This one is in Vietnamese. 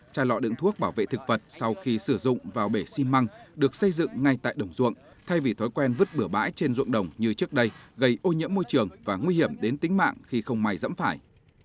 chai lọ đựng thuốc bảo vệ thực vật sau khi sử dụng vào bể xi măng được xây dựng ngay tại đồng ruộng thay vì thói quen vứt bửa bãi trên ruộng đồng như trước đây gây ô nhiễm môi trường và nguy hiểm đến tính mạng khi không may dẫm phải